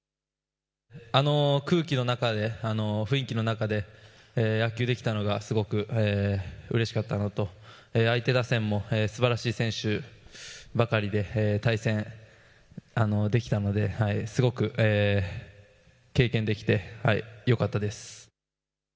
あの空気の中で、雰囲気の中で野球できたのがすごくうれしかったのと相手打線もすばらしい選手ばかりで、対戦できたので、すごくいい経験できてよかったです。